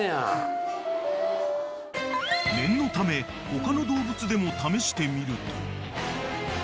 ［念のため他の動物でも試してみると］